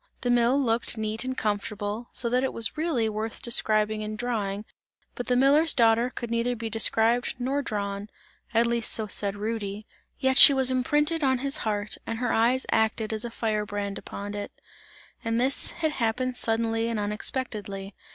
The mill looked neat and comfortable, so that it was really worth describing and drawing, but the miller's daughter could neither be described nor drawn, at least so said Rudy. Yet she was imprinted in his heart, and her eyes acted as a fire brand upon it, and this had happened suddenly and unexpectedly.